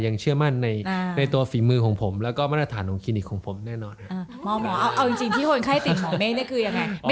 จะเชื่อมั่นเนี่ยในตัวฝีมือของผมและก็มาตรฐานของคลินิกของผมเนี่ยแน่นอนนะครับ